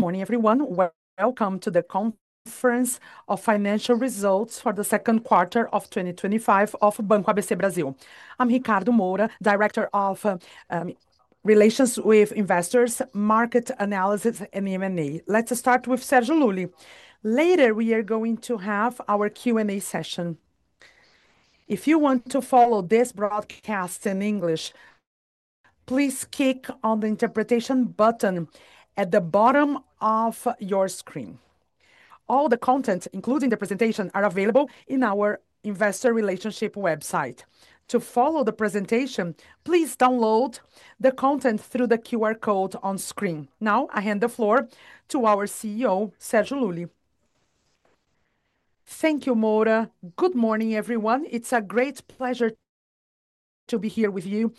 Good morning, everyone. Welcome to the conference on Financial Results for the Second Quarter of 2025 of Banco ABC Brasil. I'm Ricardo Miguel de Moura, Director of Investor Relations, Market Analysis, and M&A. Let's start with Sergio Lulia. Later, we are going to have our Q&A session. If you want to follow this broadcast in English, please click on the interpretation button at the bottom of your screen. All the content, including the presentation, is available on our investor relations website. To follow the presentation, please download the content through the QR code on screen. Now, I hand the floor to our CEO, Sergio Lulia. Thank you, Moura. Good morning, everyone. It's a great pleasure to be here with you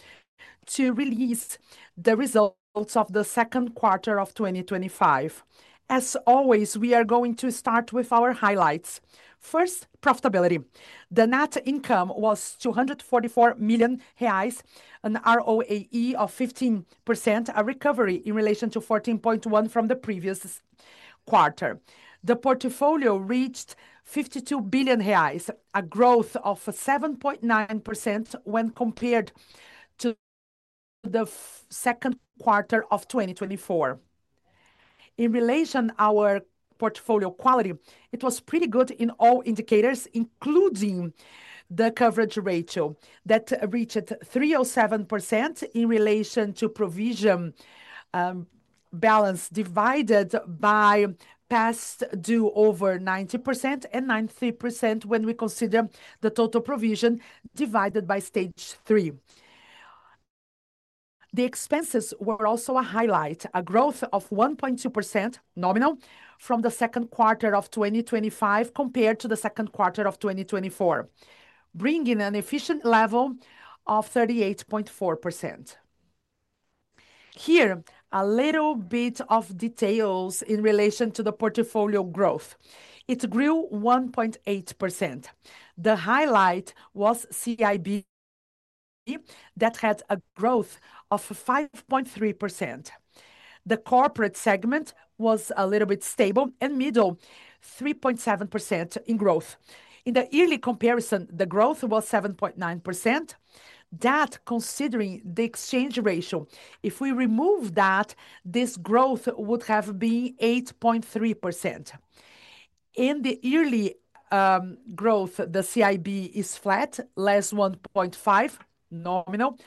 to release the results of the second quarter of 2025. As always, we are going to start with our highlights. First, profitability. The net income was 244 million reais, an ROAE of 15%, a recovery in relation to 14.1% from the previous quarter. The portfolio reached 52 billion reais, a growth of 7.9% when compared to the second quarter of 2024. In relation to our portfolio quality, it was pretty good in all indicators, including the coverage ratio that reached 307% in relation to provision balance divided by past due over 90% and 93% when we consider the total provision divided by stage three. The expenses were also a highlight, a growth of 1.2% nominal from the second quarter of 2025 compared to the second quarter of 2024, bringing an efficiency level of 38.4%. Here, a little bit of details in relation to the portfolio growth. It grew 1.8%. The highlight was CIB, that had a growth of 5.3%. The corporate segment was a little bit stable, and middle, 3.7% in growth. In the yearly comparison, the growth was 7.9%. That considering the exchange ratio, if we remove that, this growth would have been 8.3%. In the yearly growth, the CIB is flat, less 1.5% nominal.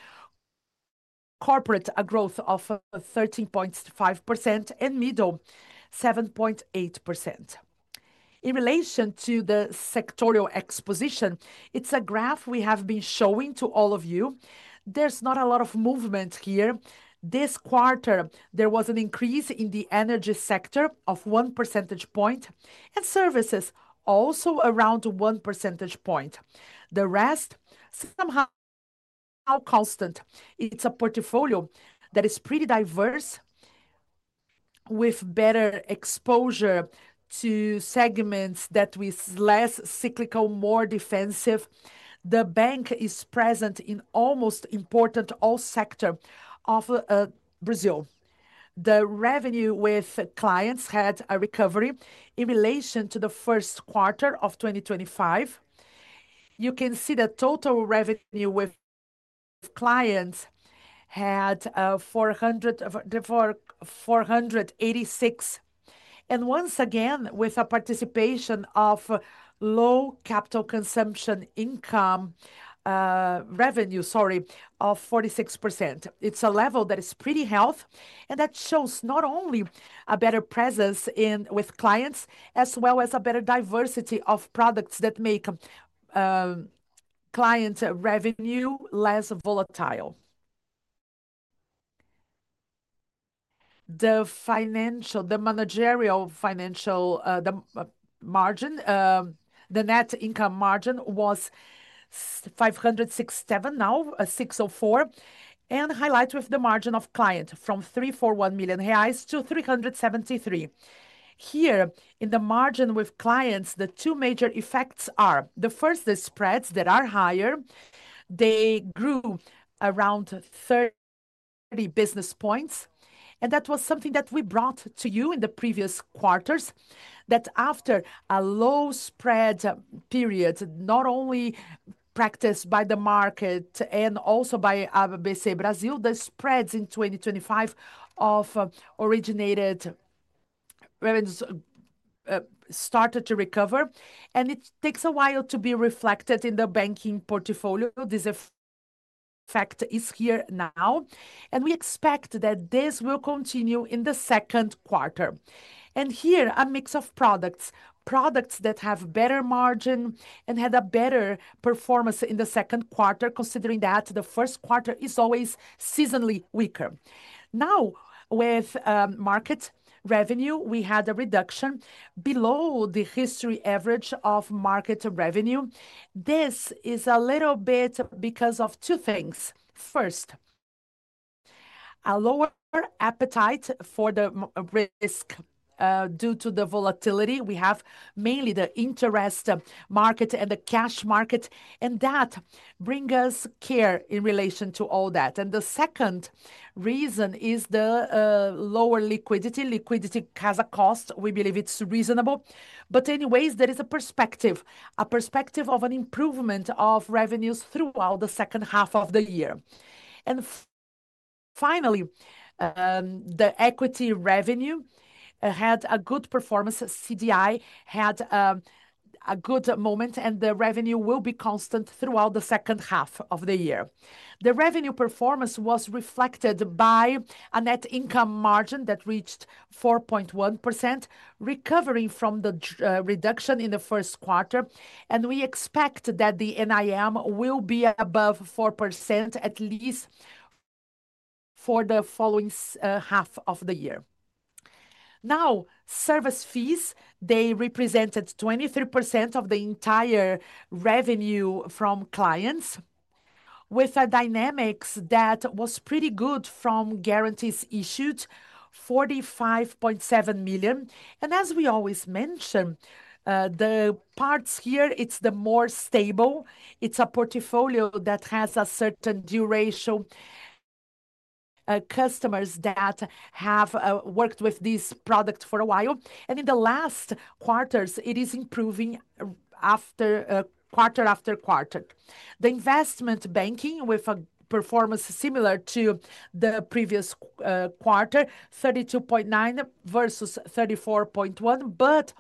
Corporate growth of 13.5% and middle, 7.8%. In relation to the sectorial exposition, it's a graph we have been showing to all of you. There's not a lot of movement here. This quarter, there was an increase in the energy sector of one percentage point, and services also around one percentage point. The rest is somehow constant. It's a portfolio that is pretty diverse, with better exposure to segments that are less cyclical, more defensive. The bank is present in almost all important sectors of Brazil. The revenue with clients had a recovery in relation to the first quarter of 2025. You can see the total revenue with clients had 486 million. Once again, with a participation of low capital consumption income, revenue, sorry, of 46%. It's a level that is pretty healthy, and that shows not only a better presence with clients, as well as a better diversity of products that make client revenue less volatile. The managerial financial margin, the net income margin was 567 million, now 604 million, and highlight with the margin of client from 341 million-373 million reais. Here, in the margin with clients, the two major effects are, the first is spreads that are higher. They grew around 30 basis points, and that was something that we brought to you in the previous quarters, that after a low spread period, not only practiced by the market and also by ABC Brasil, the spreads in 2025 of originated revenues started to recover, and it takes a while to be reflected in the banking portfolio. This effect is here now, and we expect that this will continue in the second quarter. Here, a mix of products, products that have better margin and had a better performance in the second quarter, considering that the first quarter is always seasonally weaker. Now, with market revenue, we had a reduction below the historical average of market revenue. This is a little bit because of two things. First, a lower appetite for the risk due to the volatility. We have mainly the interest market and the cash market, and that brings us care in relation to all that. The second reason is the lower liquidity. Liquidity has a cost. We believe it's reasonable. Anyways, there is a perspective, a perspective of an improvement of revenues throughout the second half of the year. Finally, the equity revenue had a good performance. CDI had a good moment, and the revenue will be constant throughout the second half of the year. The revenue performance was reflected by a net income margin that reached 4.1%, recovering from the reduction in the first quarter. We expect that the NIM will be above 4% at least for the following half of the year. Now, service fees, they represented 23% of the entire revenue from clients, with a dynamics that was pretty good from guarantees issued, 45.7 million. As we always mention, the parts here, it's the more stable. It's a portfolio that has a certain duration, customers that have worked with this product for a while. In the last quarters, it is improving quarter after quarter. The investment banking with a performance similar to the previous quarter, 32.9% versus 34.1%, but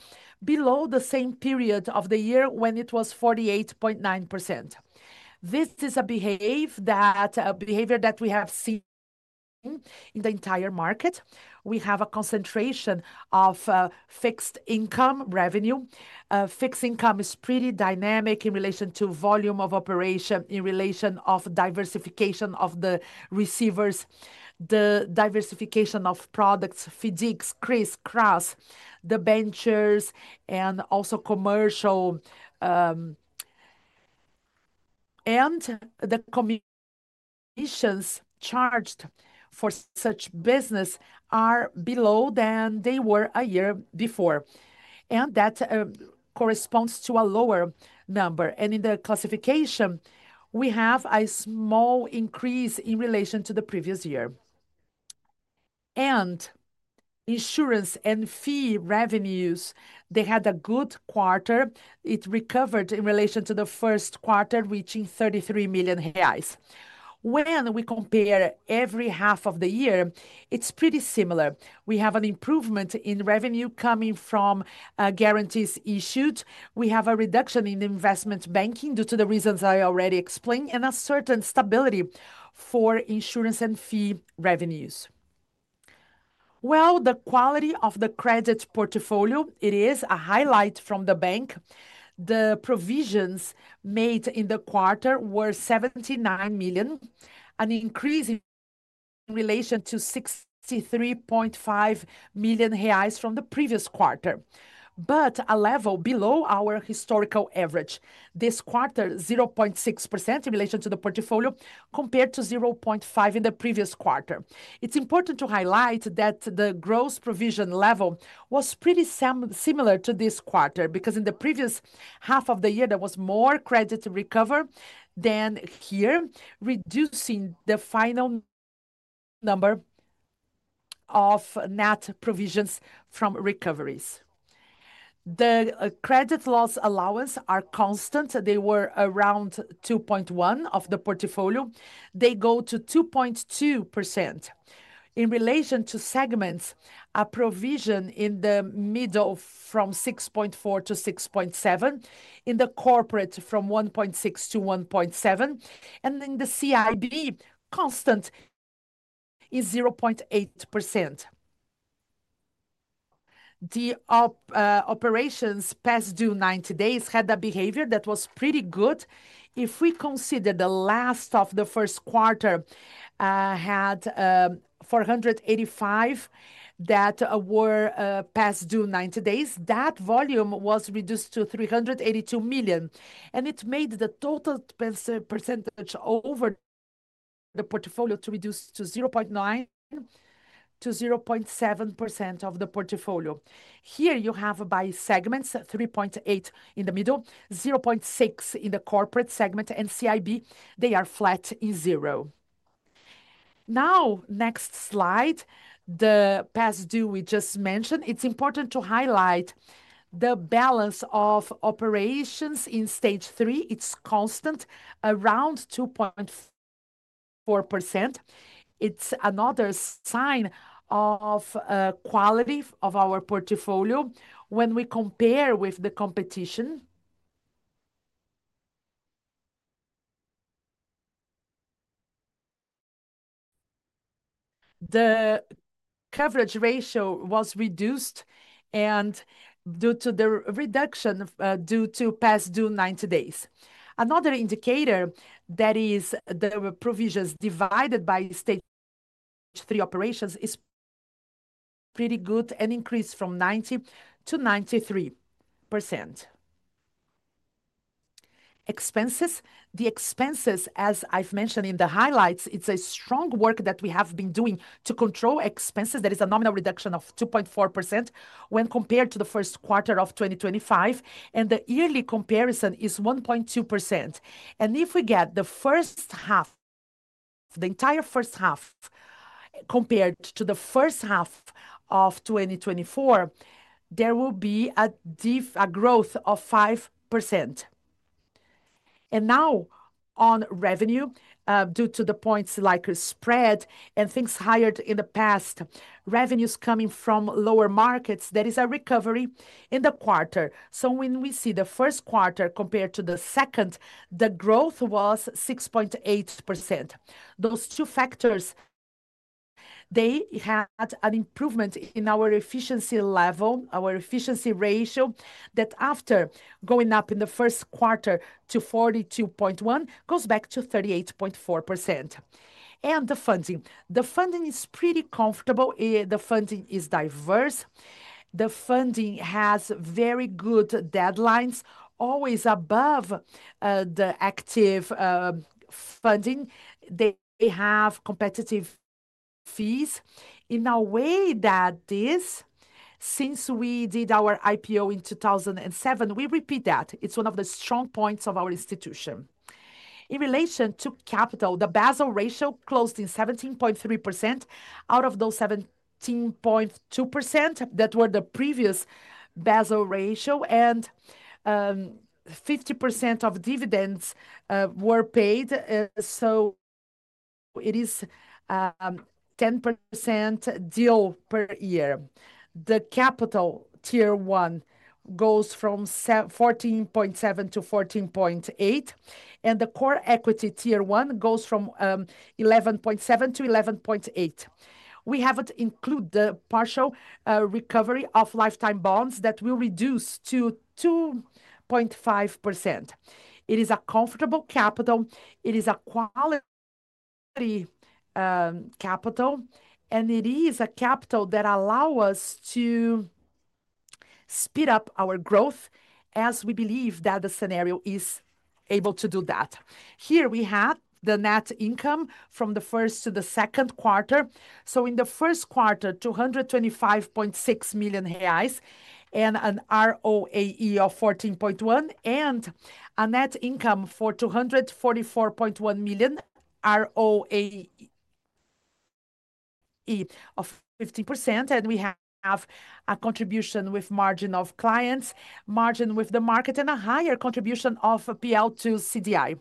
below the same period of the year when it was 48.9%. This is a behavior that we have seen in the entire market. We have a concentration of fixed income revenue. Fixed income is pretty dynamic in relation to volume of operation, in relation to diversification of the receivers, the diversification of products, physiques, criss-cross, the benchers, and also commercial. The commissions charged for such business are below than they were a year before. That corresponds to a lower number. In the classification, we have a small increase in relation to the previous year. Insurance and fee revenues had a good quarter. It recovered in relation to the first quarter, reaching 33 million reais. When we compare every half of the year, it's pretty similar. We have an improvement in revenue coming from guarantees issued. We have a reduction in investment banking due to the reasons I already explained, and a certain stability for insurance and fee revenues. The quality of the credit portfolio is a highlight from the bank. The provisions made in the quarter were 79 million, an increase in relation to 63.5 million reais from the previous quarter, but a level below our historical average. This quarter, 0.6% in relation to the portfolio compared to 0.5% in the previous quarter. It's important to highlight that the gross provision level was pretty similar to this quarter because in the previous half of the year, there was more credit to recover than here, reducing the final number of net provisions from recoveries. The credit loss allowance is constant. They were around 2.1% of the portfolio. They go to 2.2%. In relation to segments, a provision in the middle from 6.4%-6.7%, in the corporate from 1.6%-1.7%, and in the CIB, constant is 0.8%. The operations past due 90 days had a behavior that was pretty good. If we consider the last of the first quarter, had 485 million that were past due 90 days, that volume was reduced to 382 million, and it made the total percentage over the portfolio reduce to 0.9%-0.7% of the portfolio. Here, you have by segments, 3.8% in the middle, 0.6% in the corporate segment, and CIB, they are flat in zero. Next slide, the past due we just mentioned. It's important to highlight the balance of operations in stage three. It's constant, around 2.4%. It's another sign of the quality of our portfolio. When we compare with the competition, the coverage ratio was reduced due to the reduction due to past due 90 days. Another indicator that is the provisions divided by stage three operations is pretty good and increased from 90%-93%. Expenses, the expenses, as I've mentioned in the highlights, it's a strong work that we have been doing to control expenses. There is a nominal reduction of 2.4% when compared to the first quarter of 2025, and the yearly comparison is 1.2%. If we get the first half, the entire first half compared to the first half of 2024, there will be a growth of 5%. Now on revenue, due to the points like spread and things hired in the past, revenues coming from lower markets, there is a recovery in the quarter. When we see the first quarter compared to the second, the growth was 6.8%. Those two factors, they had an improvement in our efficiency level, our efficiency ratio, that after going up in the first quarter to 42.1%, goes back to 38.4%. The funding, the funding is pretty comfortable. The funding is diverse. The funding has very good deadlines, always above the active funding. They have competitive fees. In a way that this, since we did our IPO in 2007, we repeat that. It's one of the strong points of our institution. In relation to capital, the Basel ratio closed in 17.3%. Out of those 17.2% that were the previous Basel ratio, and 50% of dividends were paid. It is a 10% deal per year. The capital Tier 1 goes from 14.7%-14.8%, and the core equity Tier 1 goes from 11.7% to 11.8%. We haven't included the partial recovery of lifetime bonds that will reduce to 2.5%. It is a comfortable capital. It is a quality capital, and it is a capital that allows us to speed up our growth as we believe that the scenario is able to do that. Here, we had the net income from the first to the second quarter. In the first quarter, 225.6 million reais and an ROAE of 14.1%, and a net income for 244.1 million, ROAE of 15%. We have a contribution with margin of clients, margin with the market, and a higher contribution of PL to CDI.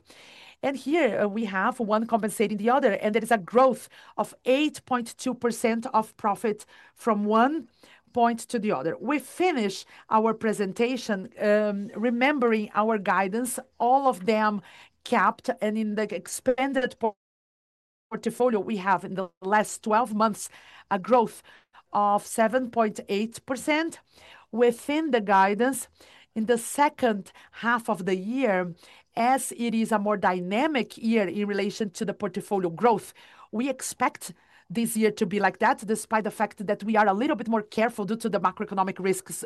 Here, we have one compensating the other, and there is a growth of 8.2% of profit from one point to the other. We finish our presentation remembering our guidance, all of them capped, and in the expanded portfolio, we have in the last 12 months a growth of 7.8% within the guidance. In the second half of the year, as it is a more dynamic year in relation to the portfolio growth, we expect this year to be like that, despite the fact that we are a little bit more careful due to the macroeconomic risks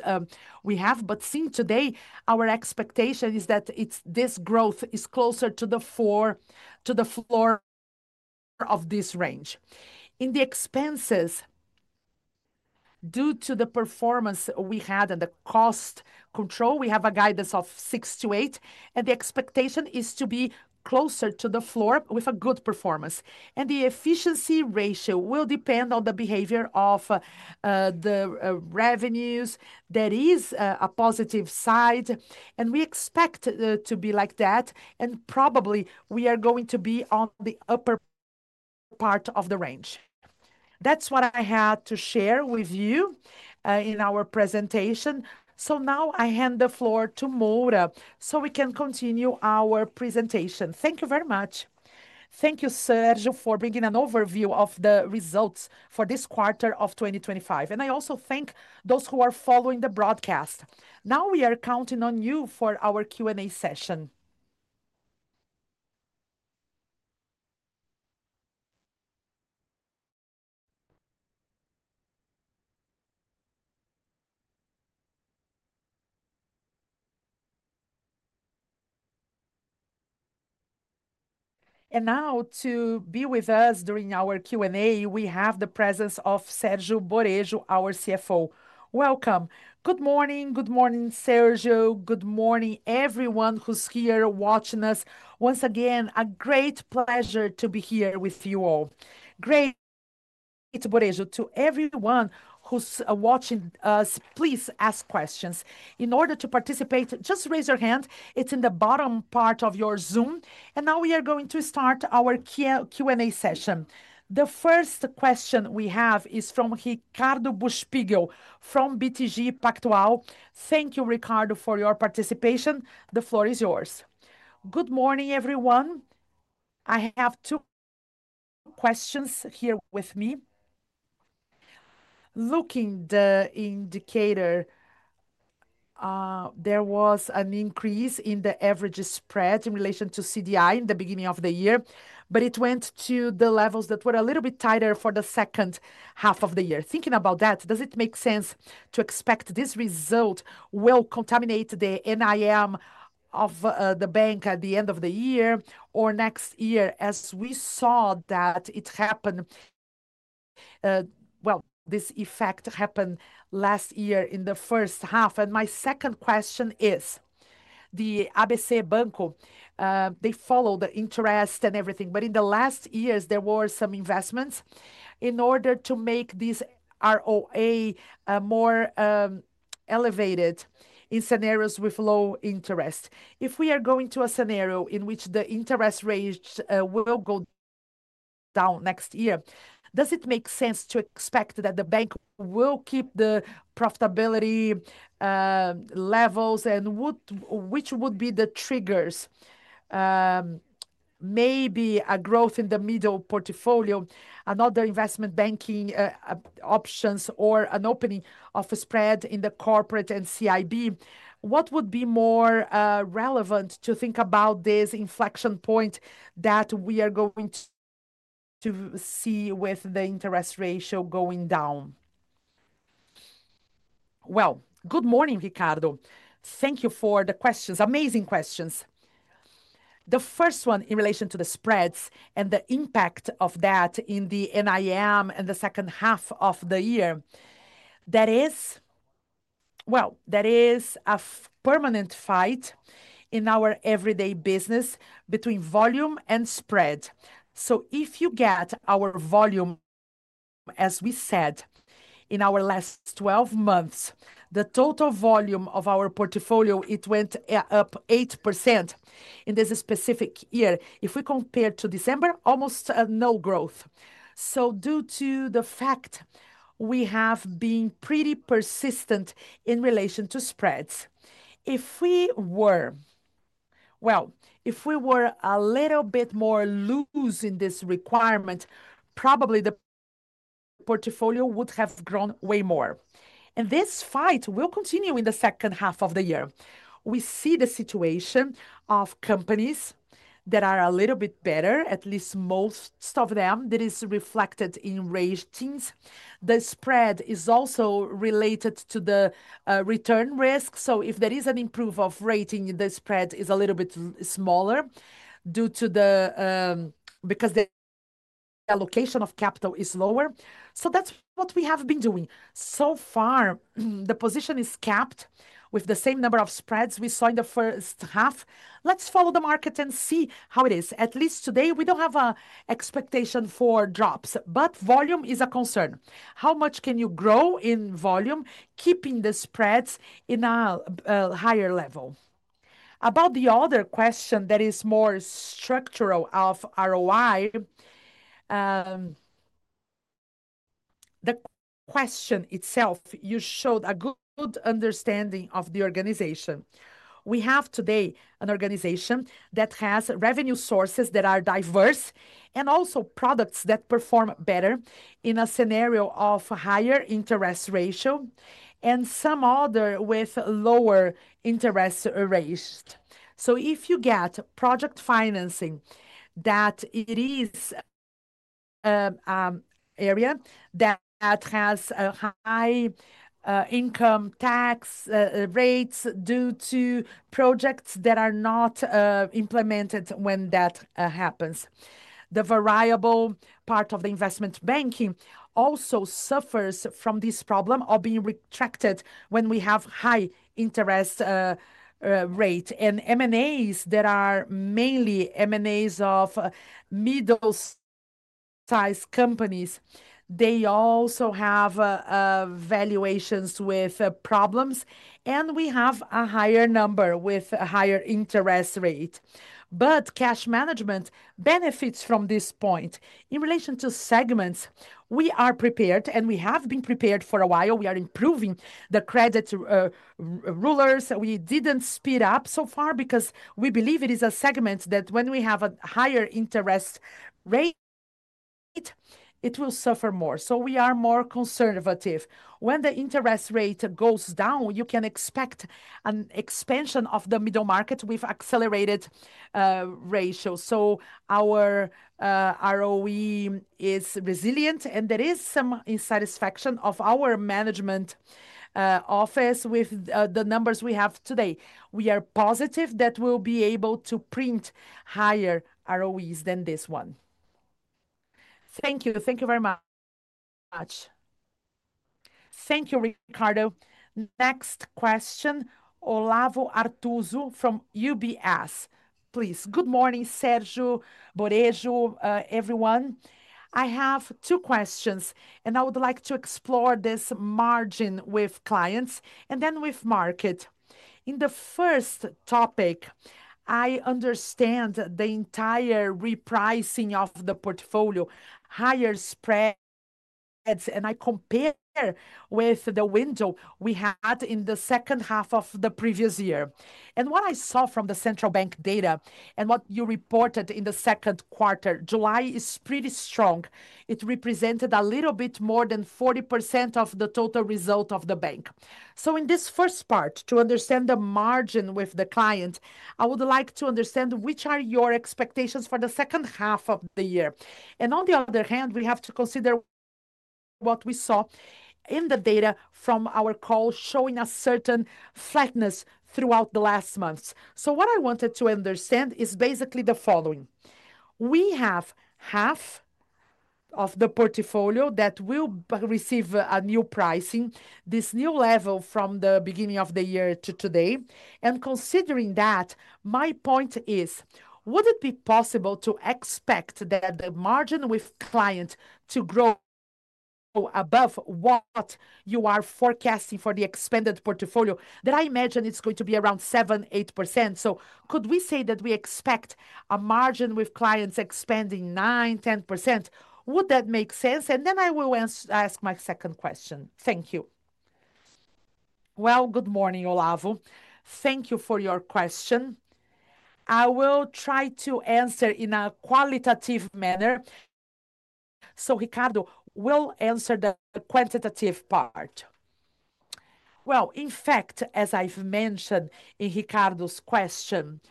we have. Seen today, our expectation is that this growth is closer to the floor of this range. In the expenses, due to the performance we had and the cost control, we have a guidance of 68%, and the expectation is to be closer to the floor with a good performance. The efficiency ratio will depend on the behavior of the revenues. There is a positive side, and we expect to be like that, and probably we are going to be on the upper part of the range. That's what I had to share with you in our presentation. Now I hand the floor to Moura so we can continue our presentation. Thank you very much. Thank you, Sergio, for bringing an overview of the results for this quarter of 2025. I also thank those who are following the broadcast. Now we are counting on you for our Q&A session. Now, to be with us during our Q&A, we have the presence of Sergio Barejo, our CFO. Welcome. Good morning. Good morning, Sergio. Good morning, everyone who's here watching us. Once again, a great pleasure to be here with you all. Great. Thank you, Barejo. To everyone who's watching us, please ask questions. In order to participate, just raise your hand. It's in the bottom part of your Zoom. Now we are going to start our Q&A session. The first question we have is from Ricardo Buchpiguel from BTG Pactual. Thank you, Ricardo, for your participation. The floor is yours. Good morning, everyone. I have two questions here with me. Looking at the indicator, there was an increase in the average spread in relation to CDI in the beginning of the year, but it went to the levels that were a little bit tighter for the second half of the year. Thinking about that, does it make sense to expect this result will contaminate the NIM of the bank at the end of the year or next year, as we saw that it happened? This effect happened last year in the first half. My second question is, the ABC Banco, they follow the interest and everything, but in the last years, there were some investments in order to make this ROA more elevated in scenarios with low interest. If we are going to a scenario in which the interest rate will go down next year, does it make sense to expect that the bank will keep the profitability levels and which would be the triggers? Maybe a growth in the middle portfolio, another investment banking options, or an opening of a spread in the corporate and CIB. What would be more relevant to think about this inflection point that we are going to see with the interest ratio going down? Good morning, Ricardo. Thank you for the questions. Amazing questions. The first one in relation to the spreads and the impact of that in the NIM in the second half of the year. There is a permanent fight in our everyday business between volume and spread. If you get our volume, as we said, in our last 12 months, the total volume of our portfolio, it went up 8% in this specific year. If we compare to December, almost no growth. Due to the fact we have been pretty persistent in relation to spreads, if we were a little bit more loose in this requirement, probably the portfolio would have grown way more. This fight will continue in the second half of the year. We see the situation of companies that are a little bit better, at least most of them, that is reflected in ratings. The spread is also related to the return risk. If there is an improvement of rating, the spread is a little bit smaller because the allocation of capital is lower. That's what we have been doing. So far, the position is capped with the same number of spreads we saw in the first half. Let's follow the market and see how it is. At least today, we don't have an expectation for drops, but volume is a concern. How much can you grow in volume, keeping the spreads in a higher level? About the other question that is more structural of ROI, the question itself, you showed a good understanding of the organization. We have today an organization that has revenue sources that are diverse and also products that perform better in a scenario of a higher interest ratio and some other with lower interest rates. If you get project financing, that it is an area that has a high income tax rate due to projects that are not implemented when that happens. The variable part of the investment banking also suffers from this problem of being retracted when we have a high interest rate. M&As, that are mainly M&As of middle-sized companies, they also have valuations with problems, and we have a higher number with a higher interest rate. Cash management benefits from this point. In relation to segments, we are prepared, and we have been prepared for a while. We are improving the credit rulers. We didn't speed up so far because we believe it is a segment that when we have a higher interest rate, it will suffer more. We are more conservative. When the interest rate goes down, you can expect an expansion of the middle market with accelerated ratios. Our ROE is resilient, and there is some insatisfaction of our management office with the numbers we have today. We are positive that we'll be able to print higher ROEs than this one. Thank you. Thank you very much. Thank you, Ricardo. Next question, Olavo Arthuzo from UBS. Please. Good morning, Sergio, Barejo, everyone. I have two questions, and I would like to explore this margin with clients and then with market. In the first topic, I understand the entire repricing of the portfolio, higher spreads, and I compare with the window we had in the second half of the previous year. What I saw from the central bank data and what you reported in the second quarter, July is pretty strong. It represented a little bit more than 40% of the total result of the bank. In this first part, to understand the margin with the client, I would like to understand which are your expectations for the second half of the year. On the other hand, we have to consider what we saw in the data from our call showing a certain flatness throughout the last months. What I wanted to understand is basically the following. We have half of the portfolio that will receive a new pricing, this new level from the beginning of the year to today. Considering that, my point is, would it be possible to expect that the margin with clients to grow above what you are forecasting for the expanded portfolio? That I imagine it's going to be around 7%, 8%. Could we say that we expect a margin with clients expanding 9%, 10%? Would that make sense? I will ask my second question. Thank you. Good morning, Olavo. Thank you for your question. I will try to answer in a qualitative manner. Ricardo will answer the quantitative part. In fact, as I've mentioned in Ricardo's question,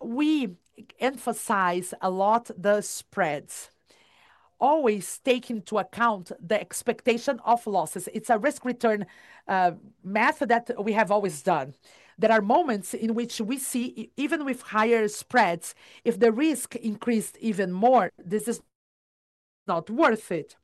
we emphasize a lot the spreads, always taking into account the expectation of losses. It's a risk return method that we have always done. There are moments in which we see, even with higher spreads, if the risk increased even more, this is not worth it.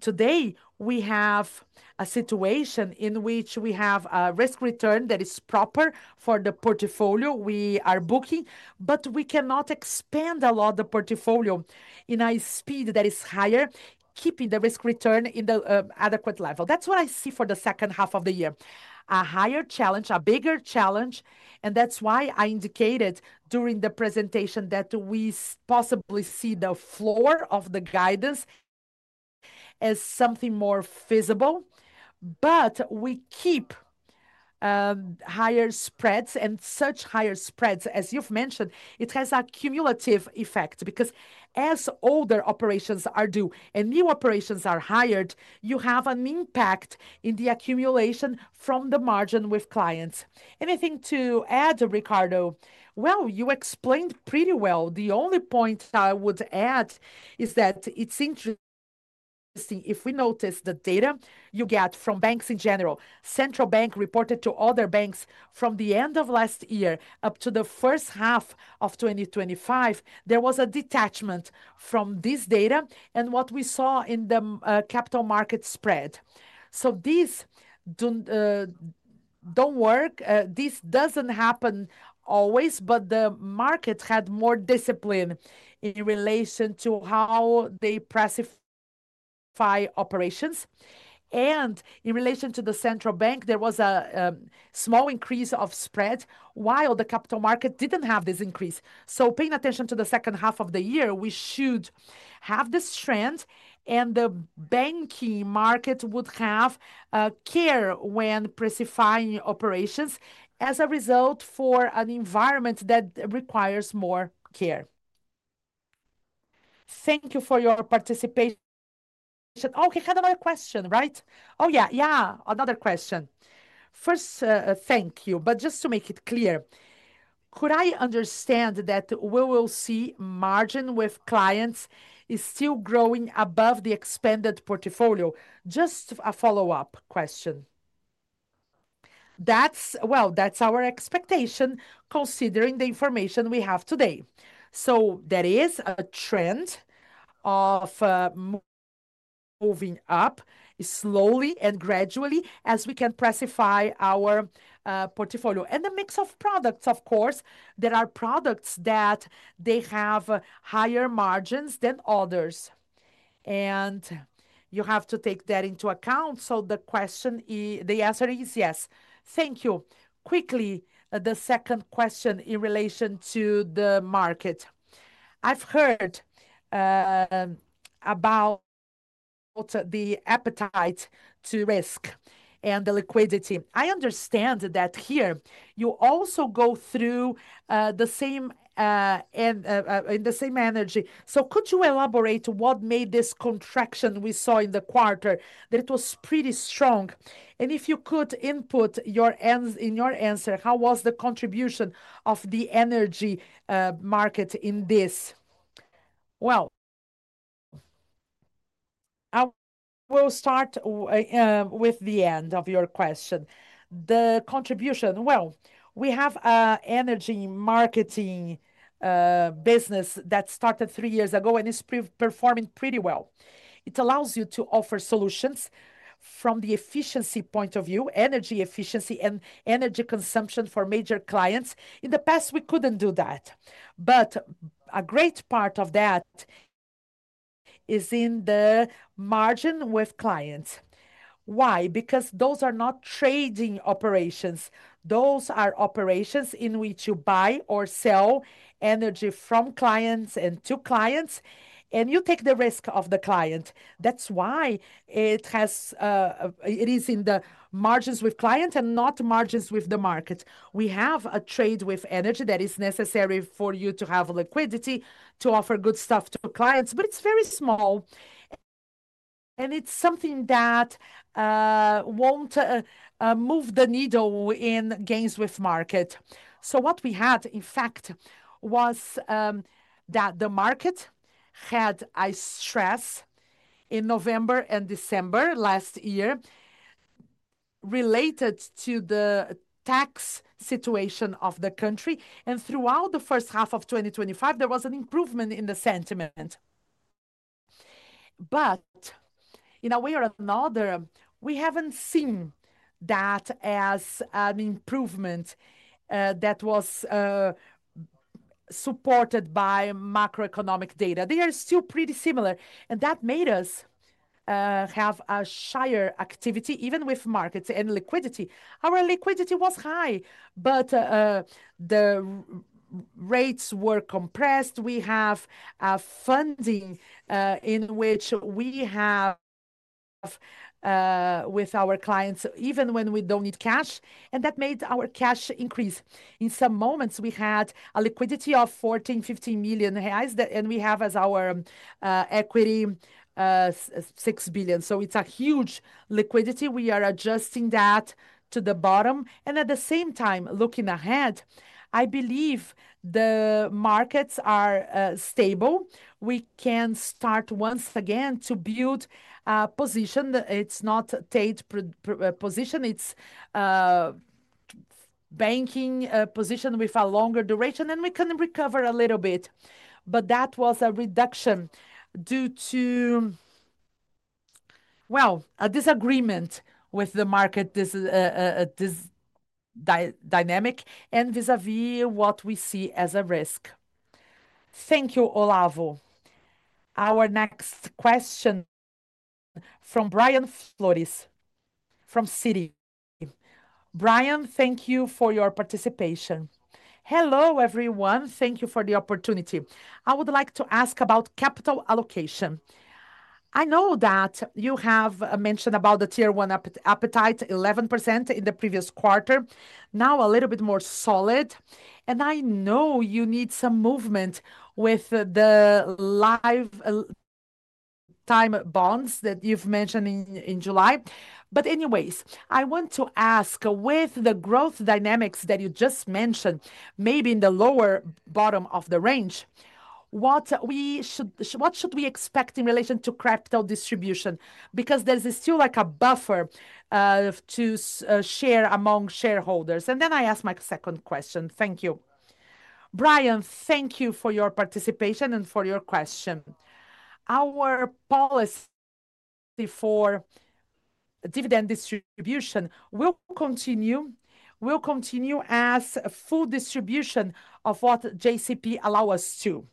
Today, we have a situation in which we have a risk return that is proper for the portfolio we are booking, but we cannot expand a lot of the portfolio at a speed that is higher, keeping the risk return at the adequate level. That is what I see for the second half of the year. A higher challenge, a bigger challenge, and that is why I indicated during the presentation that we possibly see the floor of the guidance as something more feasible. We keep higher spreads, and such higher spreads, as you have mentioned, have a cumulative effect because as older operations are due and new operations are hired, you have an impact in the accumulation from the margin with clients. Anything to add, Ricardo? You explained pretty well. The only point I would add is that it is interesting if we notice the data you get from banks in general. Central Bank reported to other banks from the end of last year up to the first half of 2025. There was a detachment from this data and what we saw in the capital market spread. These do not work. This does not happen always, but the market had more discipline in relation to how they classify operations. In relation to the Central Bank, there was a small increase of spread, while the capital market did not have this increase. Paying attention to the second half of the year, we should have this trend, and the banking market would have care when classifying operations as a result for an environment that requires more care. Thank you for your participation. You had another question, right? Oh, yeah, another question. First, thank you. Just to make it clear, could I understand that we will see margin with clients still growing above the expanded portfolio? Just a follow-up question. That is our expectation considering the information we have today. There is a trend of moving up slowly and gradually as we can classify our portfolio and a mix of products, of course. There are products that have higher margins than others. You have to take that into account. The answer is yes. Thank you. Quickly, the second question in relation to the market. I have heard about the appetite to risk and the liquidity. I understand that here you also go through the same energy, so could you elaborate what made this contraction we saw in the quarter that was pretty strong? If you could input in your answer, how was the contribution of the energy market in this? I will start with the end of your question. The contribution, we have an energy marketing business that started three years ago and is performing pretty well. It allows you to offer solutions from the efficiency point of view, energy efficiency, and energy consumption for major clients. In the past, we couldn't do that. A great part of that is in the margin with clients. Why? Because those are not trading operations. Those are operations in which you buy or sell energy from clients and to clients, and you take the risk of the client. That's why it is in the margins with clients and not margins with the market. We have a trade with energy that is necessary for you to have liquidity to offer good stuff to clients, but it's very small. It's something that won't move the needle in gains with market. What we had, in fact, was that the market had a stress in November and December last year related to the tax situation of the country. Throughout the first half of 2025, there was an improvement in the sentiment. In a way or another, we haven't seen that as an improvement that was supported by macroeconomic data. They are still pretty similar. That made us have a shy activity, even with markets and liquidity. Our liquidity was high, but the rates were compressed. We have a funding in which we have with our clients, even when we don't need cash, and that made our cash increase. In some moments, we had a liquidity of 14 million, 15 million reais, and we have as our equity 6 billion. It's a huge liquidity. We are adjusting that to the bottom. At the same time, looking ahead, I believe the markets are stable. We can start once again to build a position. It's not a tight position. It's a banking position with a longer duration, and we can recover a little bit. That was a reduction due to a disagreement with the market dynamic and vis-à-vis what we see as a risk. Thank you, Olavo. Our next question from Brian Flores from Citi. Brian, thank you for your participation. Hello, everyone. Thank you for the opportunity. I would like to ask about capital allocation. I know that you have mentioned about the Tier 1 appetite, 11% in the previous quarter, now a little bit more solid. I know you need some movement with the live-time bonds that you've mentioned in July. Anyways, I want to ask, with the growth dynamics that you just mentioned, maybe in the lower bottom of the range, what should we expect in relation to capital distribution? Because there's still like a buffer to share among shareholders. I ask my second question. Thank you. Brian, thank you for your participation and for your question. Our policy for dividend distribution will continue. We'll continue as full distribution of what JCP allows us to.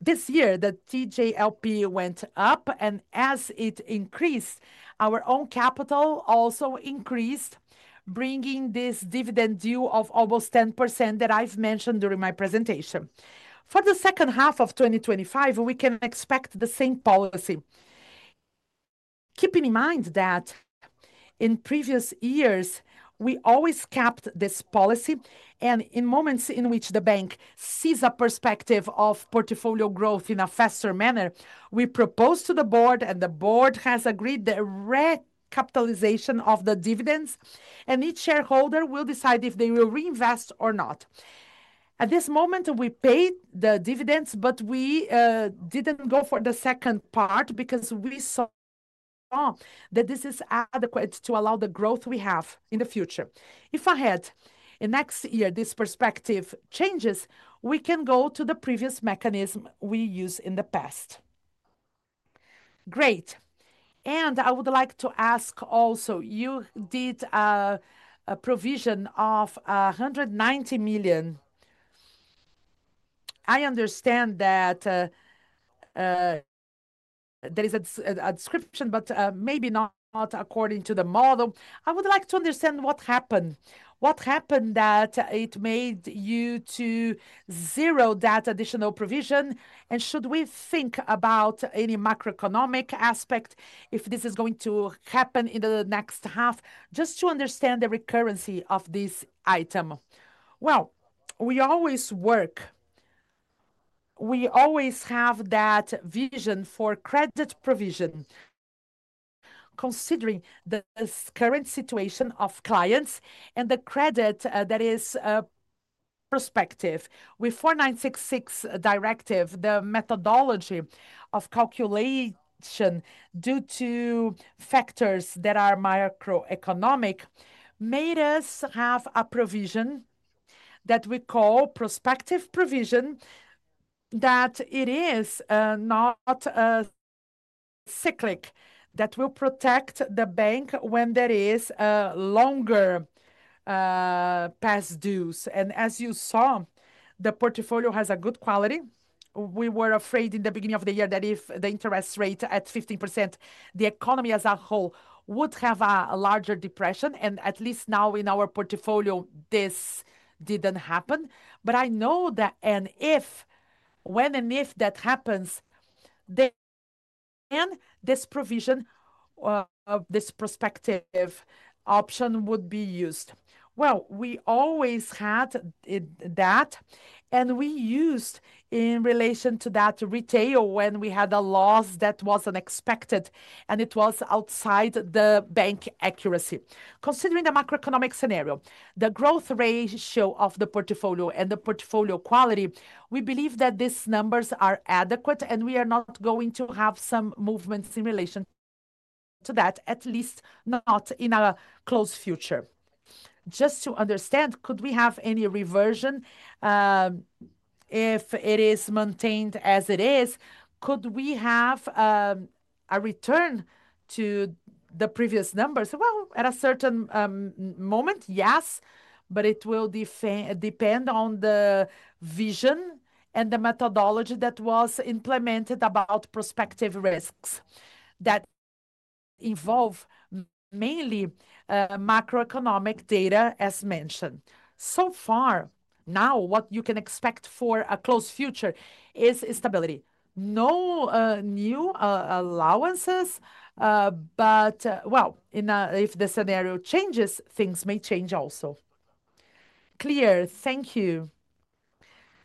This year, the TJLP went up, and as it increased, our own capital also increased, bringing this dividend due of almost 10% that I've mentioned during my presentation. For the second half of 2025, we can expect the same policy. Keeping in mind that in previous years, we always kept this policy, and in moments in which the bank sees a perspective of portfolio growth in a faster manner, we propose to the board, and the board has agreed that recapitalization of the dividends, and each shareholder will decide if they will reinvest or not. At this moment, we paid the dividends, but we didn't go for the second part because we saw that this is adequate to allow the growth we have in the future. If ahead, in the next year, this perspective changes, we can go to the previous mechanism we used in the past. Great. I would like to ask also, you did a provision of 190 million. I understand that there is a description, but maybe not according to the model. I would like to understand what happened. What happened that it made you to zero that additional provision? Should we think about any macroeconomic aspect if this is going to happen in the next half, just to understand the recurrency of this item? We always work. We always have that vision for credit provision, considering the current situation of clients and the credit that is a perspective. With 4966 directive, the methodology of calculation due to factors that are macroeconomic made us have a provision that we call prospective provision, that it is not cyclic, that will protect the bank when there is a longer past dues. As you saw, the portfolio has a good quality. We were afraid in the beginning of the year that if the interest rate at 15%, the economy as a whole would have a larger depression. At least now in our portfolio, this didn't happen. I know that, and if, when and if that happens, then this provision of this prospective option would be used. We always had that, and we used in relation to that retail when we had a loss that was unexpected, and it was outside the bank accuracy. Considering the macroeconomic scenario, the growth ratio of the portfolio, and the portfolio quality, we believe that these numbers are adequate, and we are not going to have some movements in relation to that, at least not in a close future. Just to understand, could we have any reversion if it is maintained as it is? Could we have a return to the previous numbers? At a certain moment, yes, but it will depend on the vision and the methodology that was implemented about prospective risks that involve mainly macroeconomic data, as mentioned. For now, what you can expect for a close future is stability. No new allowances, but if the scenario changes, things may change also. Clear. Thank you.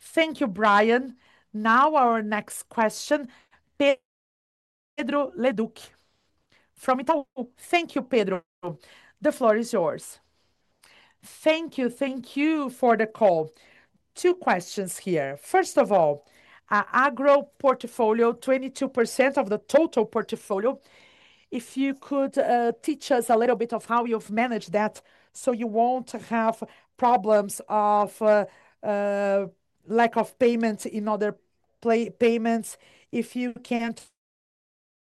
Thank you, Brian. Now our next question, Pedro Leduc from Itaú. Thank you, Pedro. The floor is yours. Thank you. Thank you for the call. Two questions here. First of all, an agro portfolio, 22% of the total portfolio. If you could teach us a little bit of how you've managed that so you won't have problems of lack of payment in other payments if you can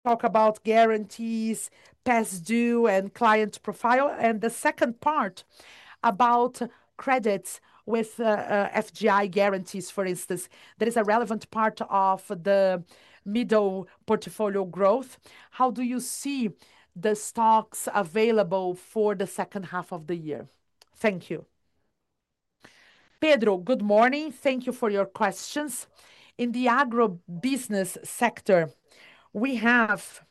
talk about guarantees, past due, and client profile. The second part about credits with FGI guarantees, for instance, that is a relevant part of the middle portfolio growth. How do you see the stocks available for the second half of the year? Thank you. Pedro, good morning. Thank you for your questions. In the agribusiness sector, we have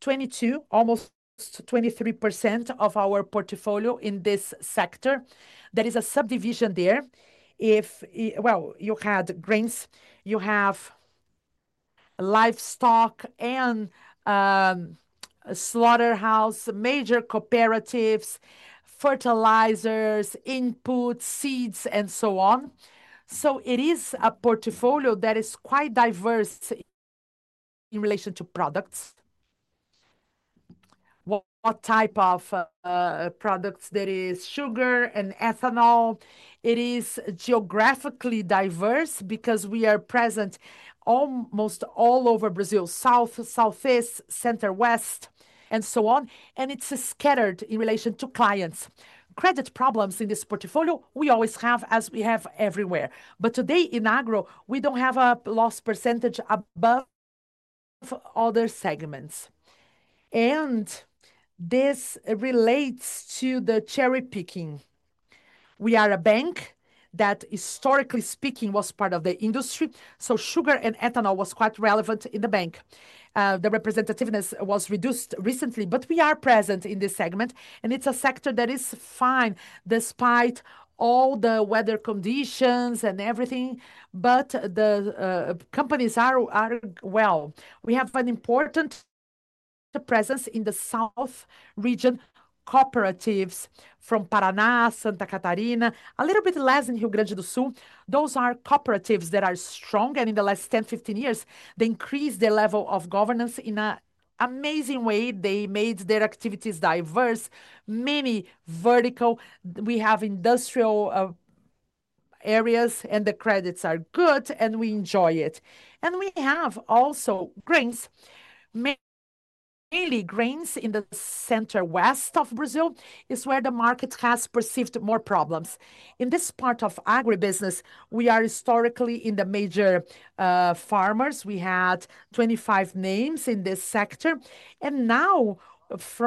22%, almost 23% of our portfolio in this sector. There is a subdivision there. If you had grains, you have livestock and slaughterhouse, major cooperatives, fertilizers, input, seeds, and so on. It is a portfolio that is quite diverse in relation to products. What type of products? There is sugar and ethanol. It is geographically diverse because we are present almost all over Brazil, south, southeast, center, west, and so on. It's scattered in relation to clients. Credit problems in this portfolio, we always have, as we have everywhere. Today, in agro, we don't have a loss percentage above other segments. This relates to the cherry picking. We are a bank that, historically speaking, was part of the industry. Sugar and ethanol were quite relevant in the bank. The representativeness was reduced recently, but we are present in this segment. It is a sector that is fine despite all the weather conditions and everything, but the companies are well. We have an important presence in the south region, cooperatives from Paraná, Santa Catarina, a little bit less in Rio Grande do Sul. Those are cooperatives that are strong, and in the last 10, 15 years, they increased the level of governance in an amazing way. They made their activities diverse, many vertical. We have industrial areas, and the credits are good, and we enjoy it. We have also grains. Mainly grains in the center-west of Brazil is where the market has perceived more problems. In this part of agribusiness, we are historically in the major farmers. We had 25 names in this sector. Now,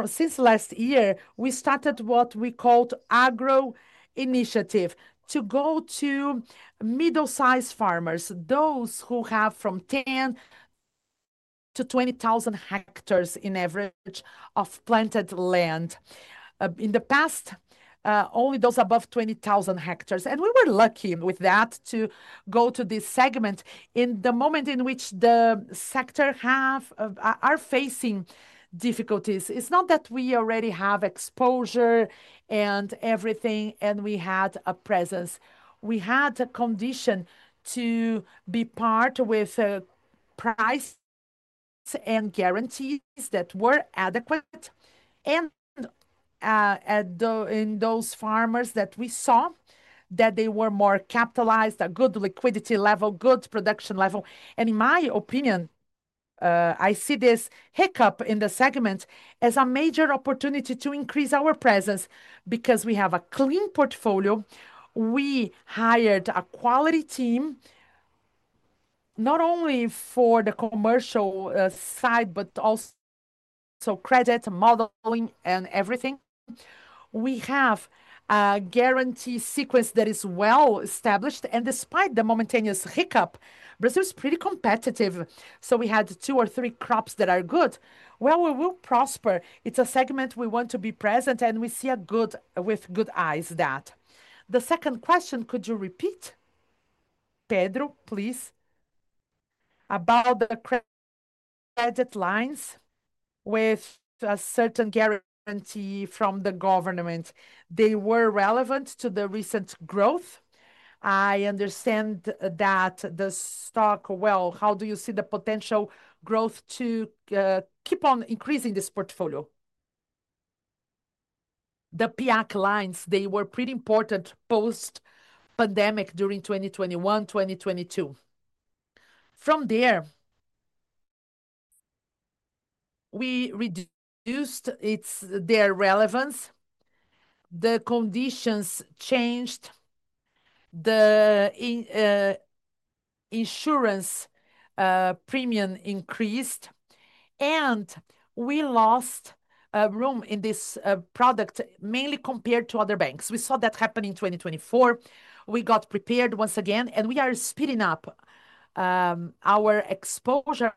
since last year, we started what we called agro initiative to go to middle-sized farmers, those who have from 10,000-20,000 hectares in average of planted land. In the past, only those above 20,000 hectares. We were lucky with that to go to this segment in the moment in which the sector is facing difficulties. It is not that we already have exposure and everything, and we had a presence. We had a condition to be part with price and guarantees that were adequate in those farmers that we saw, that they were more capitalized, a good liquidity level, good production level. In my opinion, I see this hiccup in the segment as a major opportunity to increase our presence because we have a clean portfolio. We hired a quality team, not only for the commercial side, but also credit modeling and everything. We have a guarantee sequence that is well established. Despite the momentaneous hiccup, Brazil is pretty competitive. We had two or three crops that are good. We will prosper. It is a segment we want to be present, and we see with good eyes that. The second question, could you repeat, Pedro, please, about the credit lines with a certain guarantee from the government? They were relevant to the recent growth. I understand that the stock, how do you see the potential growth to keep on increasing this portfolio? The PAC lines, they were pretty important post-pandemic during 2021, 2022. From there, we reduced their relevance. The conditions changed. The insurance premium increased. We lost room in this product, mainly compared to other banks. We saw that happen in 2024. We got prepared once again, and we are speeding up our exposure.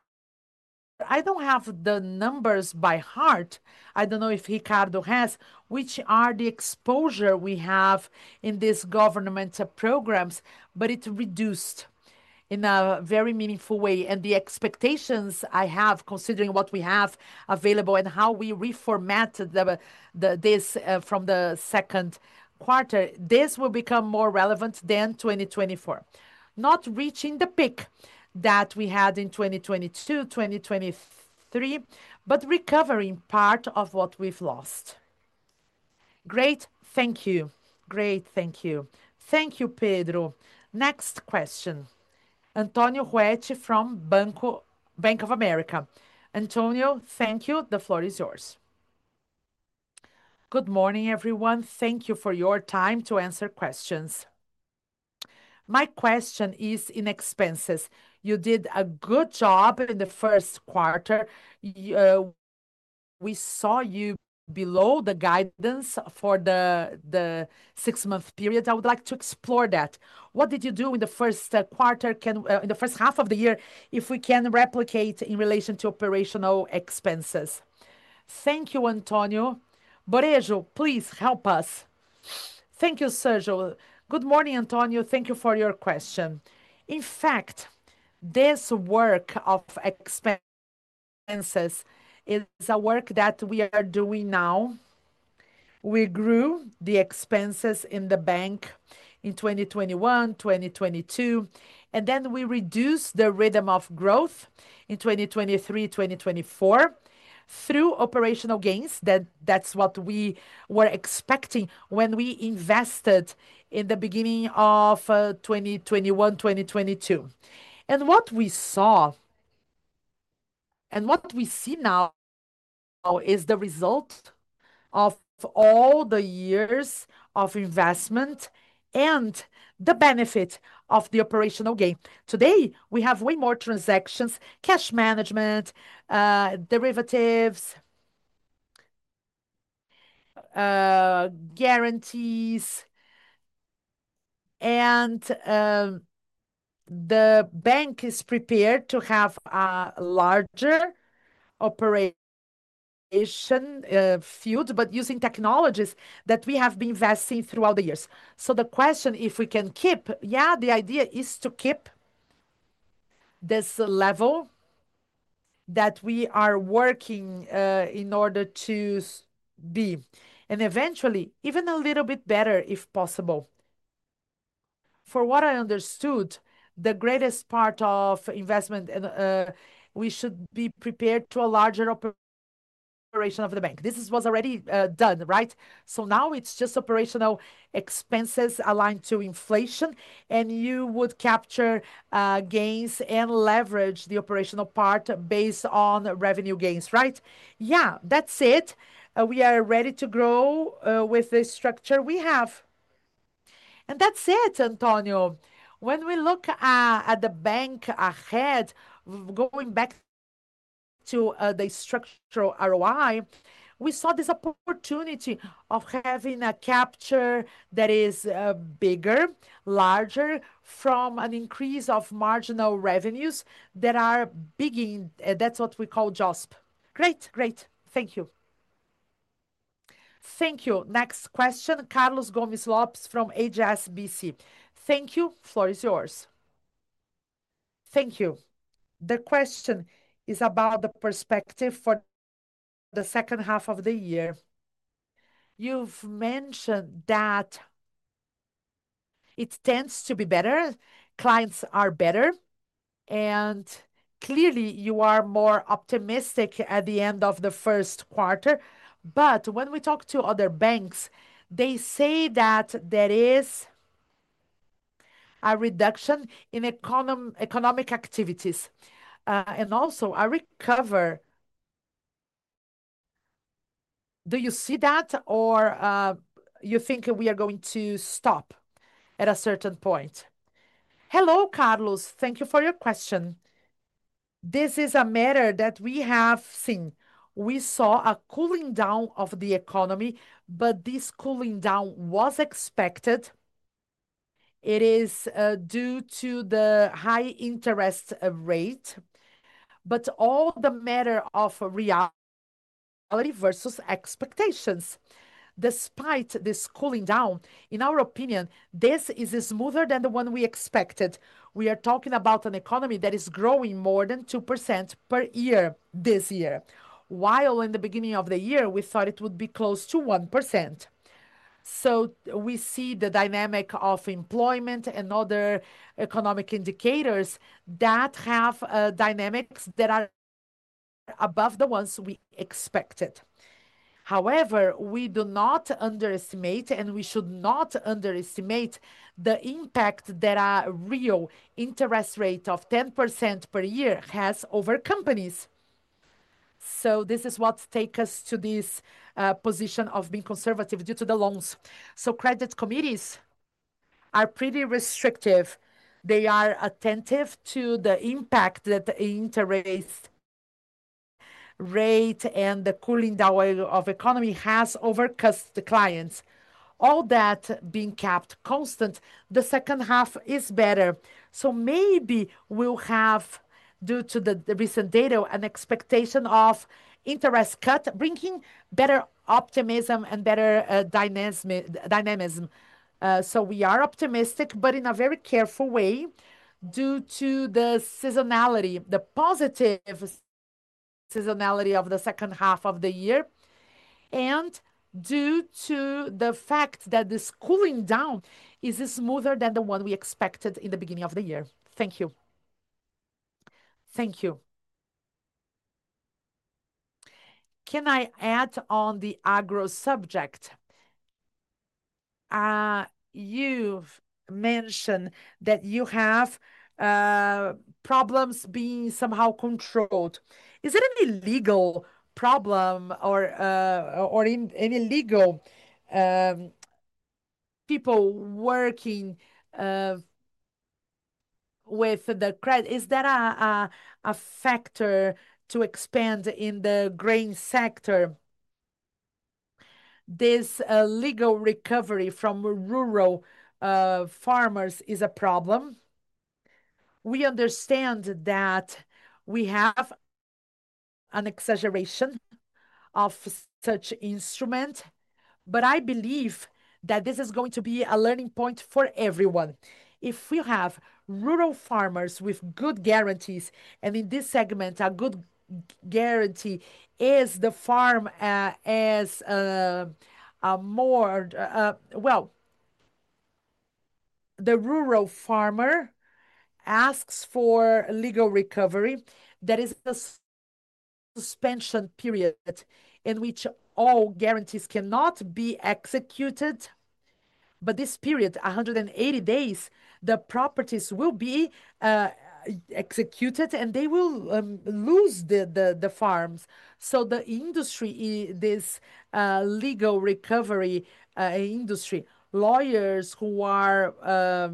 I do not have the numbers by heart. I don't know if Ricardo has, which are the exposure we have in these government programs, but it reduced in a very meaningful way. The expectations I have, considering what we have available and how we reformatted this from the second quarter, this will become more relevant than 2024. Not reaching the peak that we had in 2022, 2023, but recovering part of what we've lost. Great. Thank you. Great. Thank you. Thank you, Pedro. Next question. Antonio Altreche from Bank of America. Antonio, thank you. The floor is yours. Good morning, everyone. Thank you for your time to answer questions. My question is in expenses. You did a good job in the first quarter. We saw you below the guidance for the six-month period. I would like to explore that. What did you do in the first quarter, in the first half of the year, if we can replicate in relation to operational expenses? Thank you, Antonio. Barejo, please help us. Thank you, Sergio. Good morning, Antonio. Thank you for your question. In fact, this work of expenses is a work that we are doing now. We grew the expenses in the bank in 2021, 2022, and then we reduced the rhythm of growth in 2023, 2024 through operational gains. That's what we were expecting when we invested in the beginning of 2021, 2022. What we saw and what we see now is the result of all the years of investment and the benefit of the operational gain. Today, we have way more transactions, cash management, derivatives, guarantees, and the bank is prepared to have a larger operation field, but using technologies that we have been investing throughout the years. The question, if we can keep, yeah, the idea is to keep this level that we are working in order to be and eventually even a little bit better if possible. For what I understood, the greatest part of investment, we should be prepared to a larger operation of the bank. This was already done, right? Now it's just operational expenses aligned to inflation, and you would capture gains and leverage the operational part based on revenue gains, right? Yeah, that's it. We are ready to grow with this structure we have. That's it, Antonio. When we look at the bank ahead, going back to the structural ROI, we saw this opportunity of having a capture that is bigger, larger from an increase of marginal revenues that are bigging. That's what we call JCP. Great. Great. Thank you. Thank you. Next question, Carlos Gomez-Lopez from HSBC. Thank you. Floor is yours. Thank you. The question is about the perspective for the second half of the year. You've mentioned that it tends to be better. Clients are better, and clearly, you are more optimistic at the end of the first quarter. When we talk to other banks, they say that there is a reduction in economic activities and also a recovery. Do you see that, or you think we are going to stop at a certain point? Hello, Carlos. Thank you for your question. This is a matter that we have seen. We saw a cooling down of the economy, but this cooling down was expected. It is due to the high interest rate, but all the matter of reality versus expectations. Despite this cooling down, in our opinion, this is smoother than the one we expected. We are talking about an economy that is growing more than 2% per year this year, while in the beginning of the year, we thought it would be close to 1%. We see the dynamic of employment and other economic indicators that have dynamics that are above the ones we expected. However, we do not underestimate, and we should not underestimate the impact that a real interest rate of 10% per year has over companies. This is what takes us to this position of being conservative due to the loans. Credit committees are pretty restrictive. They are attentive to the impact that the interest rate and the cooling down of the economy has over the clients. All that being kept constant, the second half is better. Maybe we'll have, due to the recent data, an expectation of interest cuts, bringing better optimism and better dynamism. We are optimistic, but in a very careful way due to the seasonality, the positive seasonality of the second half of the year, and due to the fact that this cooling down is smoother than the one we expected in the beginning of the year. Thank you. Thank you. Can I add on the agro subject? You mentioned that you have problems being somehow controlled. Is there any legal problem or any legal people working with the credit? Is there a factor to expand in the grain sector? This legal recovery from rural farmers is a problem. We understand that we have an exaggeration of such instruments, but I believe that this is going to be a learning point for everyone. If we have rural farmers with good guarantees, and in this segment, a good guarantee is the farm as a more, well, the rural farmer asks for legal recovery. There is a suspension period in which all guarantees cannot be executed. This period, 180 days, the properties will be executed, and they will lose the farms. The industry, this legal recovery industry, lawyers who are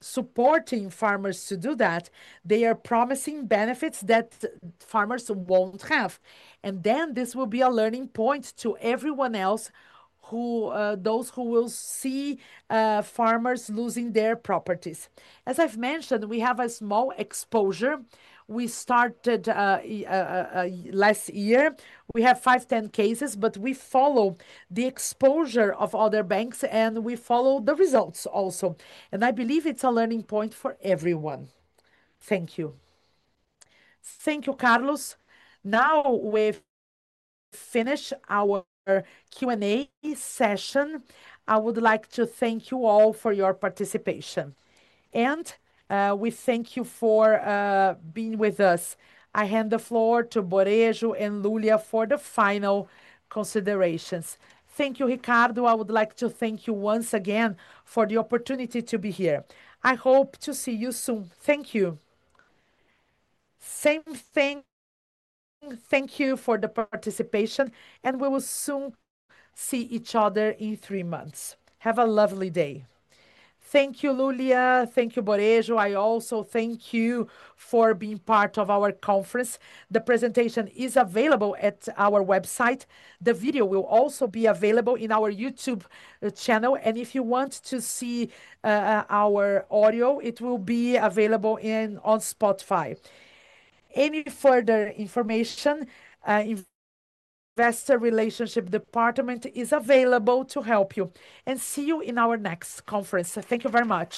supporting farmers to do that, they are promising benefits that farmers won't have. This will be a learning point to everyone else, those who will see farmers losing their properties. As I've mentioned, we have a small exposure. We started last year. We have 5, 10 cases, but we follow the exposure of other banks, and we follow the results also. I believe it's a learning point for everyone. Thank you. Thank you, Carlos. Now we've finished our Q&A session. I would like to thank you all for your participation. We thank you for being with us. I hand the floor to Barejo and Lulia for the final considerations. Thank you, Ricardo. I would like to thank you once again for the opportunity to be here. I hope to see you soon. Thank you. Same thing. Thank you for the participation, and we will soon see each other in three months. Have a lovely day. Thank you, Lulia. Thank you, Barejo. I also thank you for being part of our conference. The presentation is available at our website. The video will also be available in our YouTube channel. If you want to see our audio, it will be available on Spotify. Any further information, the Investor Relationship Department is available to help you. See you in our next conference. Thank you very much.